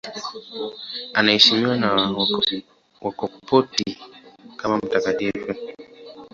Anaheshimiwa na Wakopti kama mtakatifu.